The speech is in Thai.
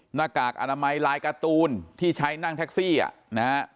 หน้ากากอนามัยลายการ์ตูนที่ใช้นั่งแท็กซี่อ่ะนะฮะ